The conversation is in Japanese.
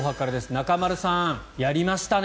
中丸さん、やりましたね。